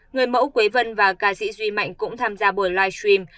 người mẫu quế vân và ca sĩ duy mạnh cũng tham gia buổi live stream